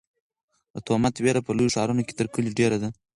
د تومت وېره په لویو ښارونو کې تر کلیو ډېره ده.